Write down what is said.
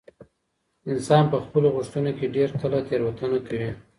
انسان په خپلو غوښتنو کي ډیر کله تېروتنه کوي.